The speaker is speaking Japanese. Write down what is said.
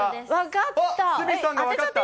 分かった！